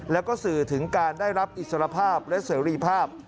แล้วก็สื่อถึงการได้รับอิสรภาพและเสรีภาพ